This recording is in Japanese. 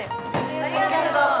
ありがとう。